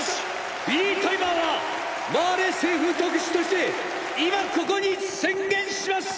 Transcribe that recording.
ヴィリー・タイバーはマーレ政府特使として今ここに宣言します！！